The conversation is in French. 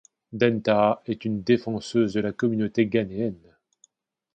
Dentaa est une défenseuse de la communauté ghanéenne.